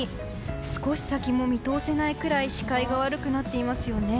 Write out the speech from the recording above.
少し先も見通せないくらい視界が悪くなっていますよね。